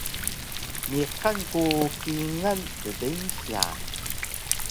Niqan ku kingal ddeynsya